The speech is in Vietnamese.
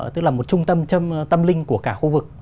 tức là một trung tâm tâm linh của cả khu vực